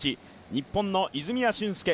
日本の泉谷駿介